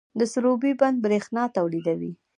د سروبي بند بریښنا تولیدوي